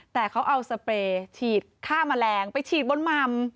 แต่เขาเอาสเปรย์ฉีดฆ่าแมลงไปฉีดบนหม่ำ